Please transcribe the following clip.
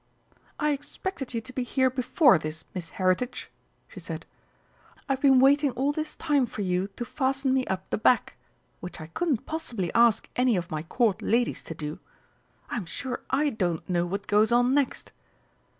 "I expected you to be here before this, Miss Heritage," she said. "I've been waiting all this time for you to fasten me up the back, which I couldn't possibly ask any of my Court ladies to do.... I'm sure I don't know what goes on next!...